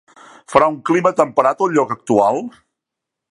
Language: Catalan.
Farà un clima temperat al lloc actual?